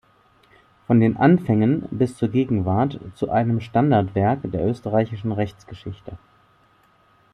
Von den Anfängen bis zur Gegenwart" zu einem Standardwerk der österreichischen Rechtsgeschichte.